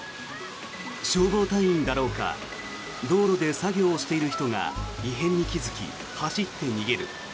消防隊員だろうか道路で作業をしている人が異変に気付き、走って逃げる。